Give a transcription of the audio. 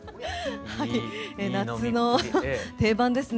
夏の定番ですね。